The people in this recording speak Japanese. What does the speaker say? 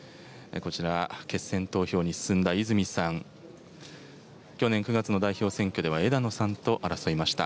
こちら、決選投票に進んだ泉さん、去年９月の代表選挙では、枝野さんと争いました。